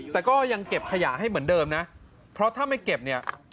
แต่ก็ยังเก็บขยะให้เหมือนเดิมนะเพราะถ้าไม่เก็บเนี่ย